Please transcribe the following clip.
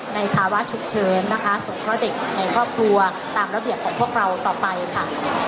ภาวะฉุกเฉินนะคะสงเคราะห์เด็กในครอบครัวตามระเบียบของพวกเราต่อไปค่ะ